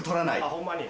ホンマに？